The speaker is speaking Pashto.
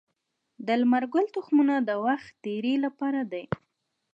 د لمر ګل تخمونه د وخت تیري لپاره دي.